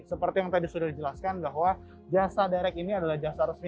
seperti yang tadi sudah dijelaskan bahwa jasa direct ini adalah jasa resmi